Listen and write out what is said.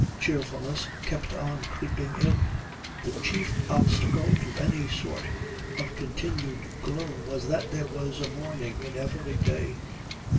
cheerfulness kept on creeping in. The chief obstacle to any sort of continued gloom was that there was a morning to every day.